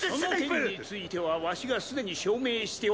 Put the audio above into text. その件についてはわしがすでに証明しておる